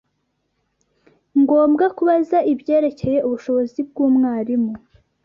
ngombwa kubaza ibyerekeye ubushobozi bw’umwarimu